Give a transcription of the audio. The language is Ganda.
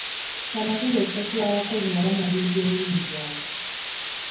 Kya magezi okusasula abakozi nga bamalirizza emirimu gyabwe.